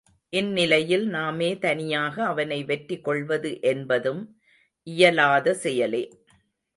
இந்நிலையில் நாமே தனியாக அவனை வெற்றி கொள்வது என்பதும் இயலாத செயலே.